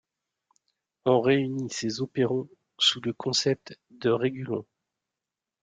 On réunit ces opérons sous le concept de régulon.